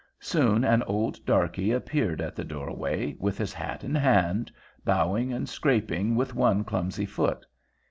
Soon an old darkey appeared in the doorway, with his hat in hand, bowing, and scraping with one clumsy foot.